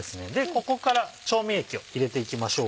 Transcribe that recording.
ここから調味液を入れていきましょう。